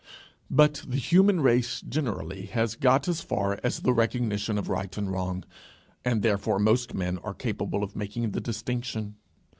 But the human race generally has got as far as the recognition of right and wrong; and therefore most men are born capable of making the distinction.